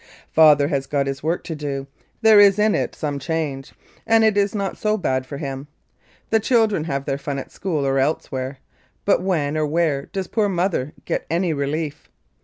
Father has got his work to do, there is in it some change, and it is not so bad for him. The children have their fun at school or elsewhere, but when or where does poor Mother get any relief